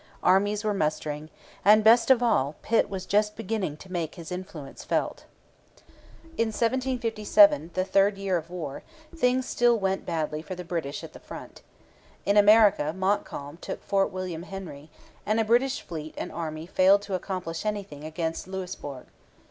Armies were mustering. And, best of all, Pitt was just beginning to make his influence felt. In 1757, the third year of war, things still went badly for the British at the front. In America Montcalm took Fort William Henry, and a British fleet and army failed to accomplish anything against Louisbourg.